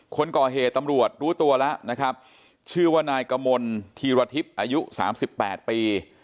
คนก่อเหตุตำรวจรู้ตัวแล้วนะครับชื่อว่านายกมลธีรทิพย์อายุสามสิบแปดปี